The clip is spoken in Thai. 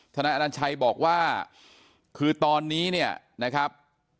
นายอนัญชัยบอกว่าคือตอนนี้เนี่ยนะครับ